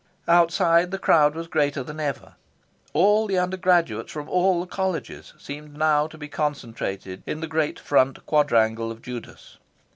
Outside, the crowd was greater than ever. All the undergraduates from all the Colleges seemed now to be concentrated in the great Front Quadrangle of Judas.